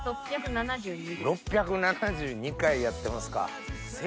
６７２回やってますか。